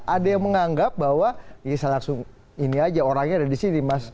ada yang menganggap bahwa ini aja orangnya ada di sini